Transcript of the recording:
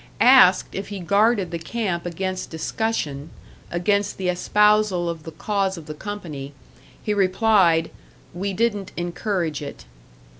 Asked if he guarded the camp against discussion, against the espousal of the cause of the company, he replied, 'We didn't encourage it.'